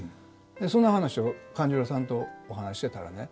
その話を勘十郎さんとお話ししてたらね